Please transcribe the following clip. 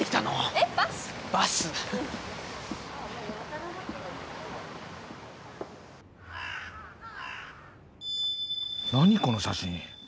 えっバスバス何この写真？